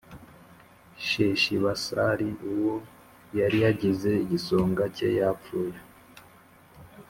Sheshibasari uwo yari yagize igisonga cye yapfuye